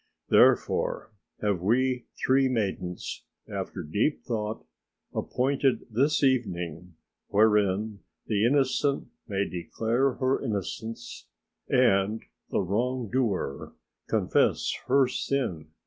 Therefore have we three maidens, after deep thought, appointed this evening wherein the innocent may declare her innocence and the wrong doer confess her sin.